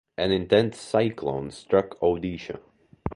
An intense cyclone struck Odisha.